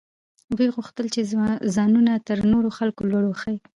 دوی غوښتل چې ځانونه تر نورو خلکو لوړ وښيي.